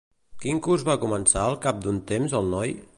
Quin curs va començar al cap d'un temps el noi?